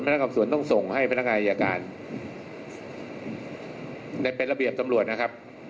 นักคำสวนต้องส่งให้พนักงานอายการในเป็นระเบียบตำรวจนะครับ